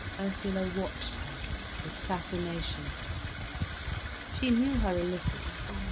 Ursula watched her with fascination. She knew her a little.